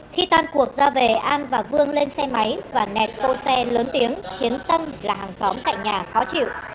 khi tan cuộc ra về an và vương lên xe máy và nẹt tô xe lớn tiếng khiến tâm là hàng xóm cạnh nhà khó chịu